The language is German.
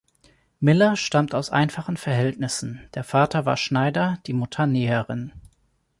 Miller stammt aus einfachen Verhältnissen: der Vater war Schneider, die Mutter Näherin.